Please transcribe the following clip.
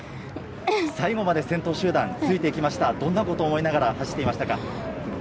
最後まで先頭集団について行きました、どんなことを思いながら走っていましたか？